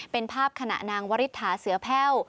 เป็นภาพขณะนางวริษฐาเสือแพ่ว